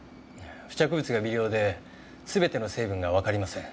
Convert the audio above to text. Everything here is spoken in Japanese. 付着物が微量で全ての成分がわかりません。